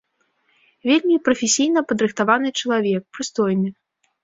Вельмі прафесійна падрыхтаваны чалавек, прыстойны.